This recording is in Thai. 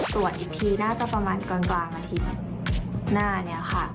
ตรวจอีกทีน่าจะประมาณกลางอาทิตย์หน้านี้ค่ะ